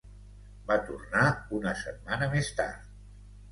Va tornar una setmana més tard.